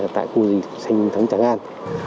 tại khu sinh thái tràng an